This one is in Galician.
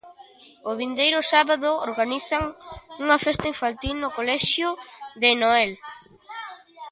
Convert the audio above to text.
O vindeiro sábado, organizan unha festa infantil no colexio de Noel.